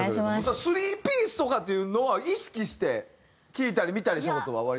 ３ピースとかっていうのは意識して聴いたり見たりした事はおありですか？